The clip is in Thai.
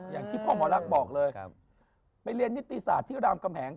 อย่างที่พ่อหมอลักษณ์บอกเลยไปเรียนนิติศาสตร์ที่รามกำแหง